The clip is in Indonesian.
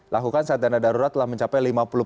lakukan saat dana darurat telah mencapai lima puluh